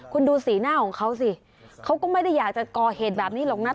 คุณดูสีหน้าของเขาสิเขาก็ไม่ได้อยากจะก่อเหตุแบบนี้หรอกนะ